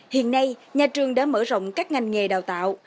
hiện nay nhà trường đã mở rộng các ngành nghề đào tạo